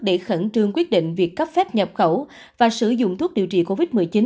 để khẩn trương quyết định việc cấp phép nhập khẩu và sử dụng thuốc điều trị covid một mươi chín